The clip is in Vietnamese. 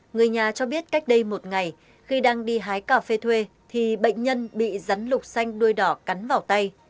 người nhà cho biết cách đây một ngày khi đang đi hái cà phê thuê thì bệnh nhân bị rắn lục xanh đuôi đỏ cắn vào tay